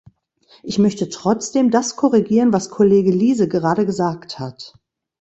Ich möchte trotzdem das korrigieren, was Kollege Liese gerade gesagt hat.